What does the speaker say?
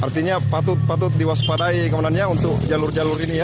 artinya patut patut diwaspadai sebenarnya untuk jalur jalur ini ya